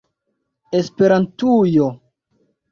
esperantujo